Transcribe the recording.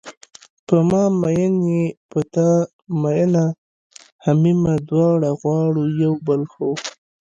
په ما میین یې په تا مینه همیمه دواړه غواړو یو بل خو